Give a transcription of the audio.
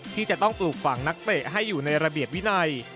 ที่จะต้องปลูกฝังนักเตะให้อยู่ในระเบียบวินัย